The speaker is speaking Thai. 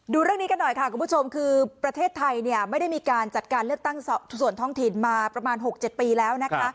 ดูเรื่องนี้กันหน่อยค่ะคุณผู้ชมคือประเทศไทยเนี่ยไม่ได้มีการจัดการเลือกตั้งส่วนท้องถิ่นมาประมาณ๖๗ปีแล้วนะคะ